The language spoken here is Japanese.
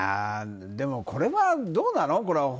でも、これはどうなの？